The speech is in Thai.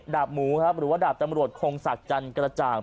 ดาบหมูหรือว่าดาบตำรวจโครงศักดิ์จันทร์กระจ่าง